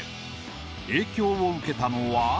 影響を受けたのは。